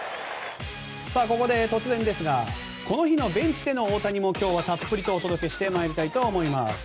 ここで、突然ですがこの日のベンチでの大谷も今日はたっぷりとお届けして参ります。